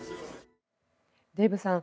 デーブさん